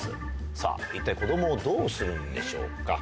さあ、一体子どもをどうするんでしょうか。